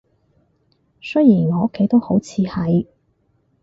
雖然我屋企都好似係